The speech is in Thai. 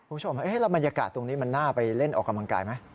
คุณผู้ชมแล้วบรรยากาศตรงนี้มันน่าไปเล่นออกกำลังกายไหม